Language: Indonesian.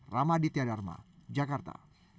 ramaditya dharma jakarta